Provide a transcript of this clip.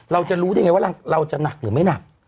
เราจะรู้ได้ไงว่าเราจะหนักหรือไม่หนัก